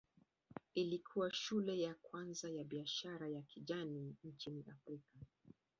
Ilikuwa shule ya kwanza ya biashara ya kijani nchini Afrika.